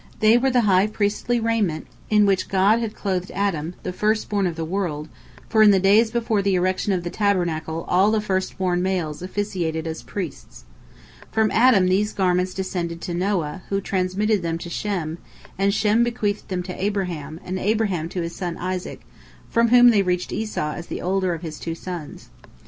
They were the high priestly raiment in which God had clothed Adam, "the first born of the world," for in the days before the erection of the Tabernacle all the first born males officiated as priests. From Adam these garments descended to Noah, who transmitted them to Shem, and Shem bequeathed them to Abraham, and Abraham to his son Isaac, from whom they reached Esau as the older of his two sons.